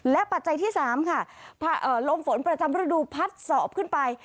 ปัจจัยที่๓ค่ะลมฝนประจำฤดูพัดสอบขึ้นไป